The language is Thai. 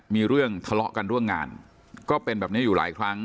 มีเรื่องทะเลาะกันเรื่องงานก็เป็นแบบนี้อยู่หลายครั้ง